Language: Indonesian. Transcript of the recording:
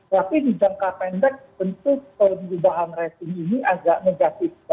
tapi di jangka pendek bentuk perubahan rating ini agak negatif bagi kita gitu ya